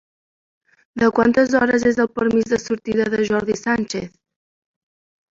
De quantes hores és el permís de sortida de Jordi Sánchez?